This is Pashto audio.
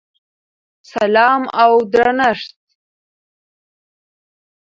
سلام او درنښت!!!